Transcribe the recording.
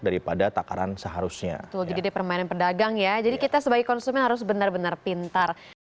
daripada takaran seharusnya betul jadi permainan pedagang ya jadi kita sebagai konsumen harus benar benar pintar